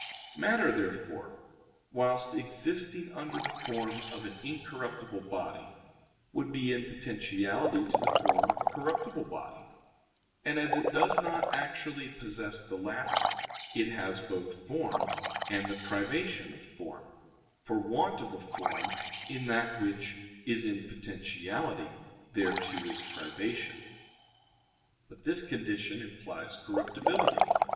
_ Matter, therefore, whilst existing under the form of an incorruptible body, would be in potentiality to the form of a corruptible body; and as it does not actually possess the latter, it has both form and the privation of form; for want of a form in that which is in potentiality thereto is privation. But this condition implies corruptibility.